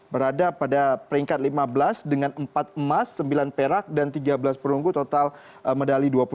berada pada peringkat lima belas dengan empat emas sembilan perak dan tiga belas perunggu total medali dua puluh satu